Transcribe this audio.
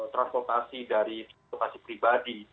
transportasi dari transportasi pribadi